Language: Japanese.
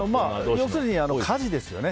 要するに家事ですよね。